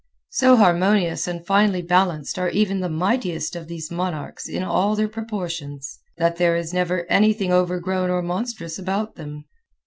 So harmonious and finely balanced are even the mightiest of these monarchs in all their proportions that there is never anything overgrown or monstrous about them.